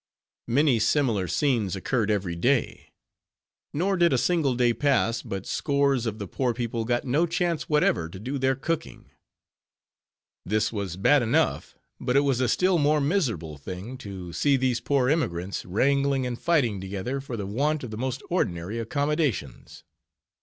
Many similar scenes occurred every day; nor did a single day pass, but scores of the poor people got no chance whatever to do their cooking. This was bad enough; but it was a still more miserable thing, to see these poor emigrants wrangling and fighting together for the want of the most ordinary accommodations.